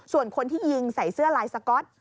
ส่วนคนที่ยิงใส่เสื้อลายสก๊อต